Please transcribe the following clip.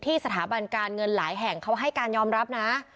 สถาบันการเงินหลายแห่งเขาให้การยอมรับนะ